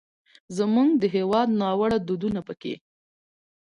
زموږ د هېواد ناوړه دودونه پکې